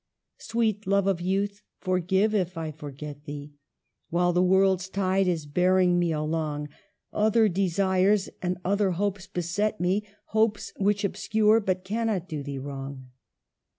" Sweet Love of youth, forgive, if I forget thee, While the world's tide is bearing me along; Other desires and other hopes beset me, Hopes which obscure, but cannot do thee wrong.